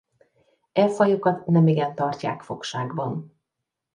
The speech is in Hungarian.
E fajokat nemigen tartják fogságban.